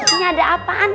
ini ada apaan